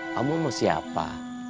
kamu masih apa